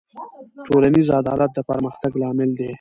ټولنیز عدالت د پرمختګ لامل دی.